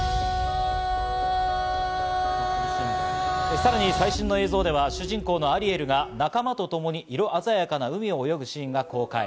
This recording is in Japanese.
さらに最新の映像では、主人公のアリエルが仲間とともに色鮮やかな海を泳ぐシーンが公開。